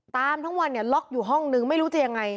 ตามทั้งวันเนี่ยล็อกอยู่ห้องนึงไม่รู้จะยังไง